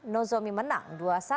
nozomi menang dua puluh satu dua belas